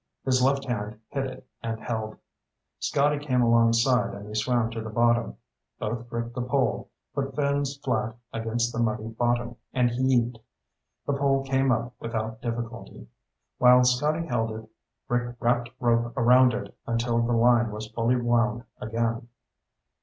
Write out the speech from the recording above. His left hand hit it and held. Scotty came alongside and they swam to the bottom. Both gripped the pole, put fins flat against the muddy bottom, and heaved. The pole came up without difficulty. While Scotty held it, Rick wrapped rope around it until the line was fully wound again.